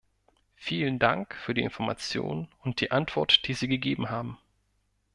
Vielen Dank für die Informationen und die Antwort, die Sie gegeben haben.